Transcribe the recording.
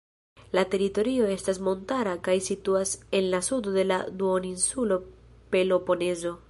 La teritorio estas montara kaj situas en la sudo de la duoninsulo Peloponezo.